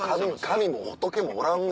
神も仏もおらんわ。